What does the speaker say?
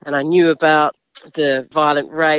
dan saya tahu tentang